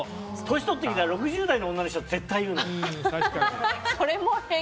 年取ったら６０代の女の人は絶対言うの。